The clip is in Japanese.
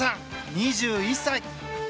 ２１歳。